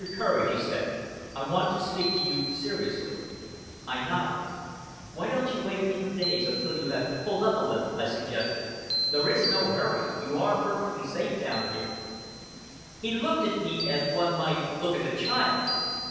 Courage," he said, "I want to speak to you seriously." I nodded. "Why don't you wait for a few days, until you have pulled up a little?" I suggested. "There is no hurry. You are perfectly safe down here." He looked at me as one might look at a child.